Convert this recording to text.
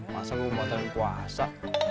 masa gue mengatasi kuasa